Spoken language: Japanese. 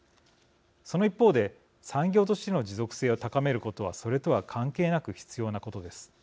その一方で産業としての持続性を高めることはそれとは関係なく必要なことです。